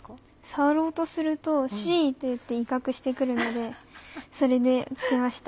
触ろうとすると「シ」って言って威嚇してくるのでそれで付けました。